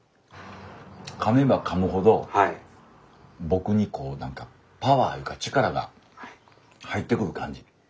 かめばかむほど僕にこう何かパワーいうか力が入ってくる感じ。